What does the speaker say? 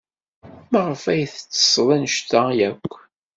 Maɣef ay tettesseḍ anect-a akk?